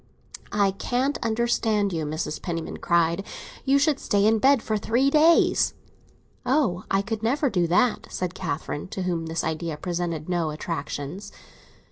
"I can't understand you!" Mrs. Penniman cried. "You should stay in bed for three days." "Oh, I could never do that!" said Catherine, to whom this idea presented no attractions.